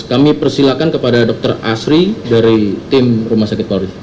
kami persilakan kepada dokter asri dari tim rumah sakit polri